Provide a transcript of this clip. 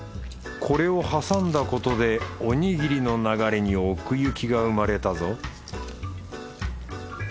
これを挟んだことでおにぎりの流れに奥行きが生まれたぞ